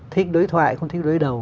thích đối thoại không thích đối đầu